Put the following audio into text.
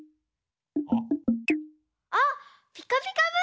あっ「ピカピカブ！」